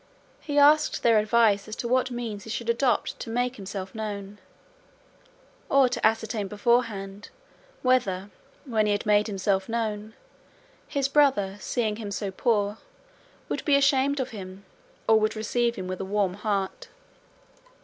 He asked their advice as to what means he should adopt to make himself known, or to ascertain beforehand whether, when he had made himself known, his brother, seeing him so poor, would be ashamed of him, or would receive him with a warm heart.